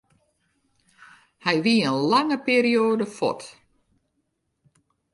Hy wie in lange perioade fuort.